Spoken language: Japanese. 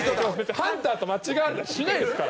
ハンターと間違われたりしないですから。